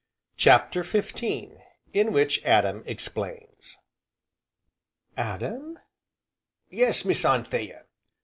CHAPTER XV In which Adam explains "Adam!" "Yes, Miss Anthea."